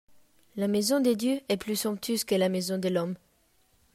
La maison de Dieu est plus somptueuse que la maison de l'homme.